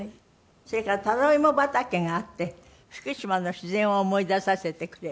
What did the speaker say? それからタロイモ畑があって福島の自然を思い出させてくれる。